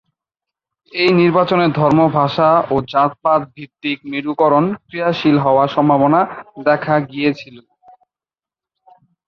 এই নির্বাচনে ধর্ম, ভাষা ও জাতপাত-ভিত্তিক মেরুকরণ ক্রিয়াশীল হওয়ার সম্ভাবনা দেখা গিয়েছিল।